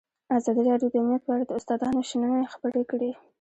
ازادي راډیو د امنیت په اړه د استادانو شننې خپرې کړي.